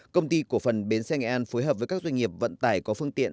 công ty cổ phần bến xe nghệ an phối hợp với các doanh nghiệp vận tải có phương tiện